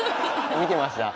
見てました。